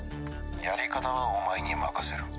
やり方はお前に任せる。